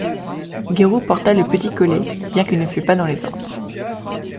Guéroult porta le petit collet, bien qu’il ne fût pas dans les ordres.